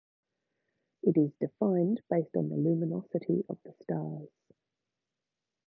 It is defined based on the luminosity of the stars.